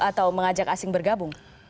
atau mengajak asing bergabung